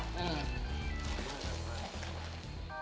sampai jumpa lagi